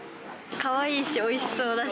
かわいいし、おいしそうだし。